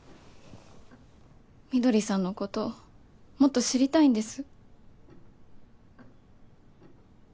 翠さんのこともっと知りたいんです。